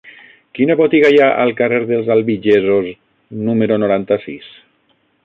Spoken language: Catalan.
Quina botiga hi ha al carrer dels Albigesos número noranta-sis?